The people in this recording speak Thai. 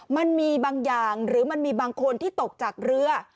มันมีบางอย่างหรือมันมีบางคนที่ตกจากเรือ